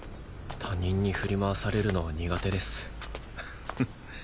他人に振り回されるのは苦手です。